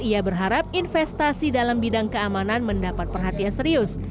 ia berharap investasi dalam bidang keamanan mendapat perhatian serius